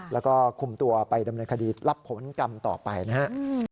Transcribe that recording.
แล้วก็คุมตัวไปดำเนินคดีรับผลกรรมต่อไปนะฮะ